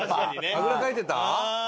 あぐらかいてた？